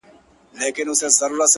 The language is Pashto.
د ټپې په اله زار کي يې ويده کړم”